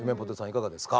いかがですか？